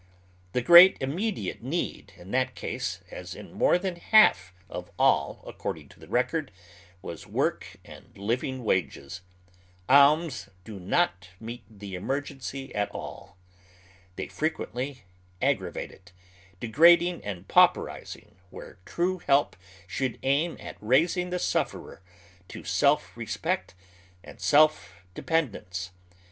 The great immediate need in that case, as in more than half of all according to tlie I'ecord, was work and liv ing wages. Alma do not meet the emergency at all. They frequently aggravate it, degrading and pauperiz ing where trne help should aim at raising the sufferer to self reapeet and self dependence.